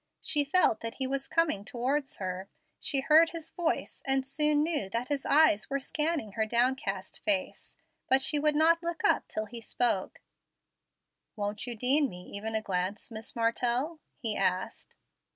She felt that he was coming towards her, she heard his voice, and soon knew that his eyes were scanning her downcast face, but she would not look up till he spoke. "Won't you deign me even a glance, Miss Martell?" he asked.